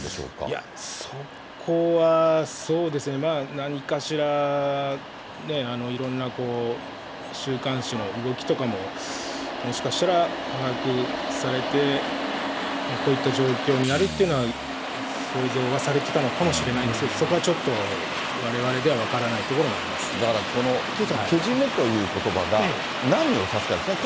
いや、そこは、そうですね、まあ何かしらね、いろんな週刊誌の動きとかももしかしたら把握されて、こういった状況になるというのは想像はされてたのかもしれないんですけど、そこはちょっとわれわれでは分からないところもありまだから岸さん、このけじめということばが、何を指すかですね。